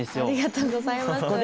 ありがとうございます。